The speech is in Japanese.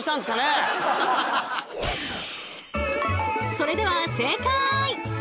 それでは正解！